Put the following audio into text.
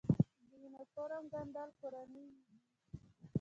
د یونیفورم ګنډل کورني دي؟